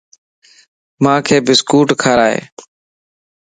مانک بسڪوٽ ڪارائي